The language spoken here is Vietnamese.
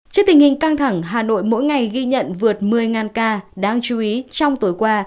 trước tình hình căng thẳng hà nội mỗi ngày ghi nhận vượt một mươi ca đáng chú ý trong tối qua